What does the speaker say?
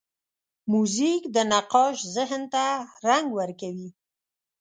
موزیک د نقاش ذهن ته رنګ ورکوي.